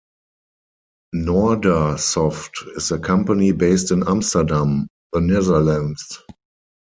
NoorderSoft is a company based in Amsterdam, the Netherlands.